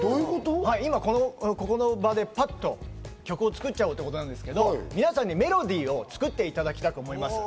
１曲、今、この場でパッと曲を作っちゃおうということですけど、皆さんにメロディーを作っていただきたいなと思います。